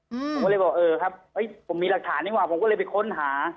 ผมก็เลยบอกเออครับเอ้ยผมมีหลักฐานดีกว่าผมก็เลยไปค้นหา